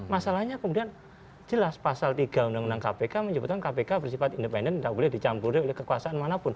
masalahnya kemudian jelas pasal tiga undang undang kpk menyebutkan kpk bersifat independen tidak boleh dicampuri oleh kekuasaan manapun